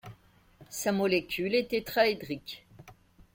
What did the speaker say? Sa molécule est tétraédrique.